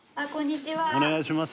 お願いします。